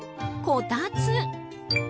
こたつ。